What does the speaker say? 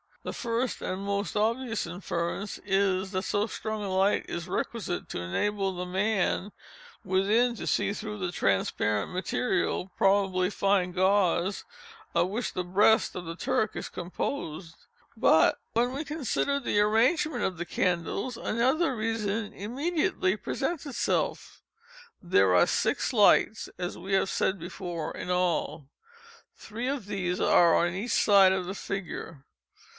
The first and most obvious inference is, that so strong a light is requisite to enable the man within to see through the transparent material (probably fine gauze) of which the breast of the Turk is composed. But when we consider the arrangement of the candles, another reason immediately presents itself. There are six lights (as we have said before) in all. Three of these are on each side of the figure.